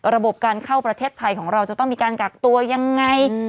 ระบบการเข้าประเทศไทยของเราจะต้องมีการกักตัวยังไง